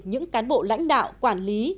những cán bộ lãnh đạo quản lý